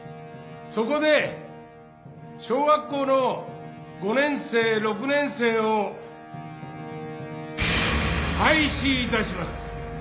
そこで小学校の５年生６年生を廃止いたします」。